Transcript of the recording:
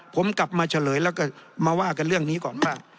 ผมกลับมาเฉลยแล้วก็มาว่ากันเรื่องนี้ก่อนว่า